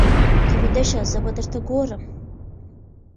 ته ویده شه زه به درته ګورم.